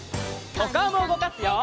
おかおもうごかすよ。